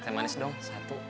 eteh manis dong satu